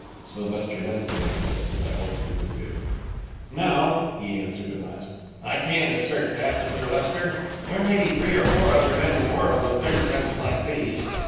Sylvester hesitated, just as I hoped he would do. "No," he answered, at last, "I can't assert that, Mr. Lester. There may be three or four other men in the world with finger prints like these.